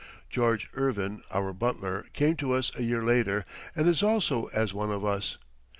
George Irvine, our butler, came to us a year later and is also as one of us.